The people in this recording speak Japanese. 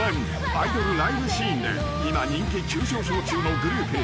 アイドルライブシーンで今人気急上昇中のグループ］